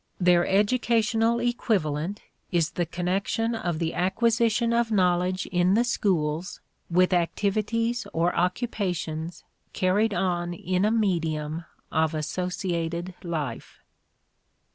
Their educational equivalent is the connection of the acquisition of knowledge in the schools with activities, or occupations, carried on in a medium of associated life.